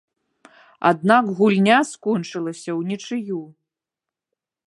Аднак гульня скончылася ўнічыю.